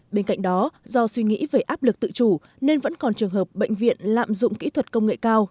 bên cạnh đó do suy nghĩ về áp lực tự chủ nên vẫn còn trường hợp bệnh viện lạm dụng kỹ thuật công nghệ cao